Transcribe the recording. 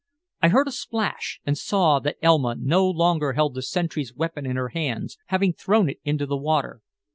I heard a splash, and saw that Elma no longer held the sentry's weapon in her hands, having thrown it into the water.